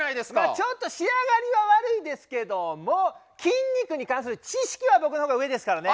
ちょっと仕上がりが悪いですけども筋肉に関する知識は僕のほうが上ですからね。